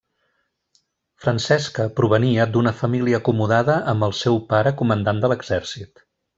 Francesca provenia d'una família acomodada amb el seu pare comandant de l'exèrcit.